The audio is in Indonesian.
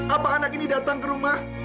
apa anak ini datang ke rumah